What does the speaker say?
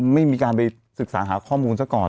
ไม่มีการไปศึกษาหาข้อมูลซะก่อน